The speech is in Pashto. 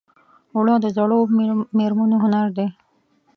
اوړه د زړو مېرمنو هنر دی